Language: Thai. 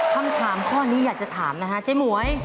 คำถามข้อนี้อยากจะถามนะฮะเจ๊หมวย